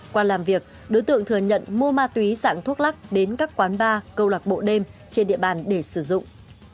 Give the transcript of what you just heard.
qua làm việc đối tượng thừa nhận mua ma túy dạng thuốc lắc đến các quán bar câu lạc bộ đêm trên địa bàn để sử dụng